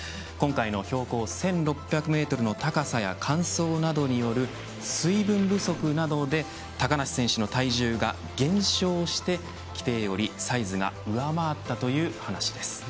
今回の標高１６００メートルの高さや乾燥などによる水分不足などで高梨選手の体重が減少して規定よりサイズが上回ったという話です。